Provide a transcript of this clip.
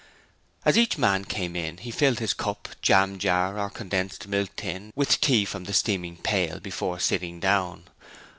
As each man came in he filled his cup, jam jar or condensed milk tin with tea from the steaming pail, before sitting down.